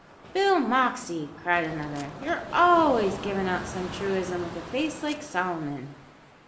"Bill Moxey!" cried another, "you're always givin' out some truism with a face like Solomon."